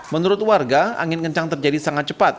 menurut warga angin kencang terjadi sangat cepat